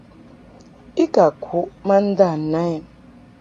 I ka kuʼ ma nda na i.